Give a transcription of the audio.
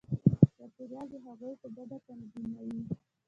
چاپېریال د هغوی په ګټه تنظیموي.